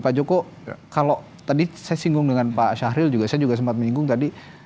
pak joko kalau tadi saya singgung dengan pak syahril saya juga sempat menyinggung tadi